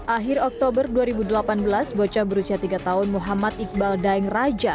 akhir oktober dua ribu delapan belas bocah berusia tiga tahun muhammad iqbal daeng raja